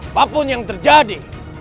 apapun yang terjadi